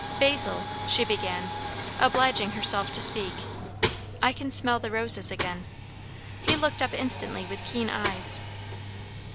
"Basil," she began, obliging herself to speak, "I can smell the roses again." He looked up instantly with keen eyes.